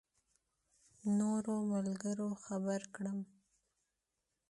نورو ملګرو خبر کړم.